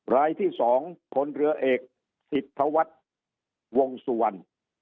รายที่๒คนเรือเอกสิทธวัฒน์วงสุวรรณ